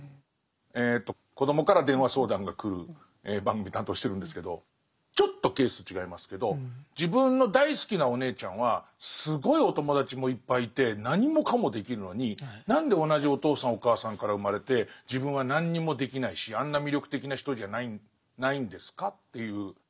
えと子どもから電話相談が来る番組担当してるんですけどちょっとケース違いますけど自分の大好きなお姉ちゃんはすごいお友達もいっぱいいて何もかもできるのに何で同じお父さんお母さんから生まれて自分は何にもできないしあんな魅力的な人じゃないんですか？という。